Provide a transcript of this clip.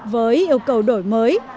với yêu cầu đổi mới